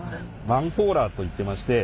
マンホーラーといってまして。